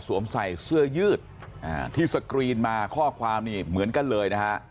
ใส่เสื้อยืดที่สกรีนมาข้อความนี่เหมือนกันเลยนะฮะ